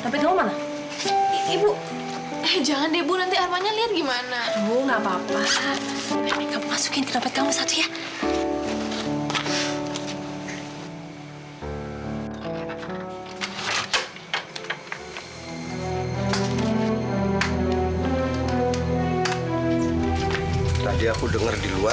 sampai jumpa di video selanjutnya